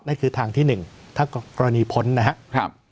นี่คือทางที่๑ถ้ากรณีพ้นนะครับ